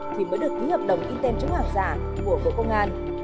thì mới được ký hợp đồng in tem chống hàng giả của bộ công an